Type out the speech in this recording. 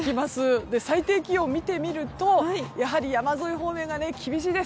最低気温を見てみると山沿い方面が厳しいです。